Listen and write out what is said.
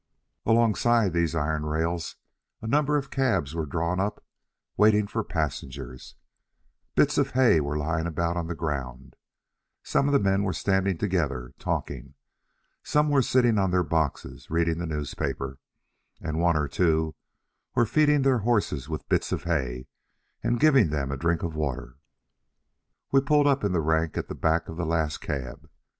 Alongside these iron rails a number of cabs were drawn up, waiting for passengers; bits of hay were lying about on the ground; some of the men were standing together talking; some were sitting on their boxes reading the newspaper; and one or two were feeding their horses with bits of hay, and giving them a drink of water. We pulled up in the rank at the back of the last cab.